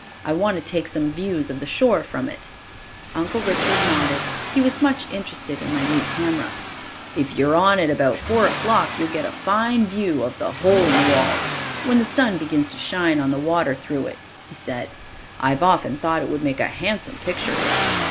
"I want to take some views of the shore from it." Uncle Richard nodded. He was much interested in my new camera. "If you're on it about four o'clock, you'll get a fine view of the 'Hole in the Wall' when the sun begins to shine on the water through it," he said. "I've often thought it would make a handsome picture."